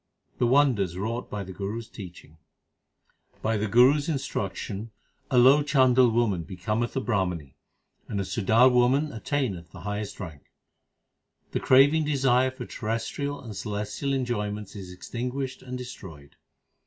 The wonders wrought by the Guru s teaching : By the Guru s instruction, a low Chandal woman becometh a Brahmani and a Sudar woman attaineth the highest rank ; The craving desire 2 for terrestrial and celestial enjoy ments is extinguished and destroyed.